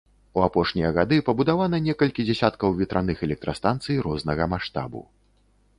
У апошнія гады пабудавана некалькі дзясяткаў ветраных электрастанцый рознага маштабу.